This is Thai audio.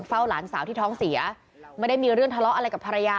หลานสาวที่ท้องเสียไม่ได้มีเรื่องทะเลาะอะไรกับภรรยา